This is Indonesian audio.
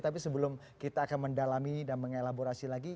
tapi sebelum kita akan mendalami dan mengelaborasi lagi